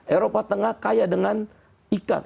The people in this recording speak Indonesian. eropa tengah kaya dengan ikat